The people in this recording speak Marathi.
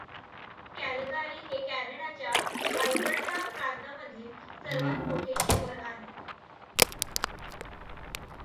कॅल्गारी हे कॅनडाच्या आल्बर्टा प्रांतामधील सर्वात मोठे शहर आहे.